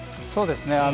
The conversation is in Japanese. そうですね。